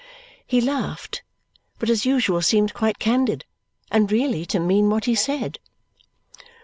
He laughed, but as usual seemed quite candid and really to mean what he said.